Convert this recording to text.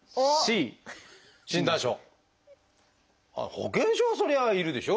保険証はそりゃ要るでしょ。